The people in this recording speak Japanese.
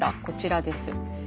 こちらです。